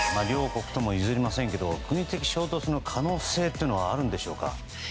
両国とも譲りませんが国的衝突の可能性というのはあるんでしょうか？